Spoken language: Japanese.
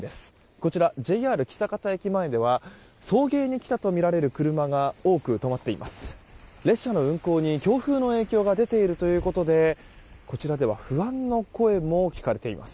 こちら、ＪＲ象潟駅前では送迎に来たとみられる車が多く止まっています。